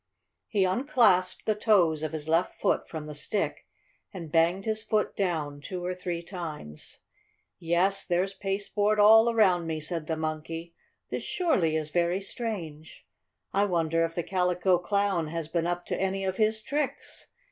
He unclasped the toes of his left foot from the stick and banged his foot down two or three times. "Yes, there's pasteboard all around me," said the Monkey. "This surely is very strange! I wonder if the Calico Clown has been up to any of his tricks?